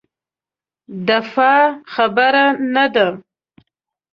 دفاع خبره نه ده.